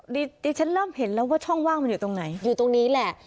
ดิฉันเริ่มเห็นแล้วว่าช่องว่างมันอยู่ตรงไหนอยู่ตรงนี้แหละ